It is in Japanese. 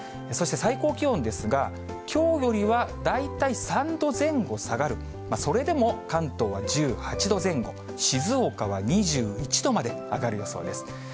そして最高気温ですが、きょうよりは大体３度前後下がる、それでも関東は１８度前後、静岡は２１度まで上がる予想です。